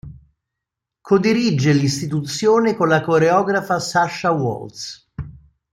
Co-dirige l'istituzione con la coreografa Sasha Waltz.